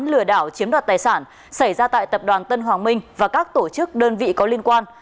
lừa đảo chiếm đoạt tài sản xảy ra tại tập đoàn tân hoàng minh và các tổ chức đơn vị có liên quan